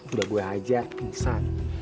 udah gue ajak pingsan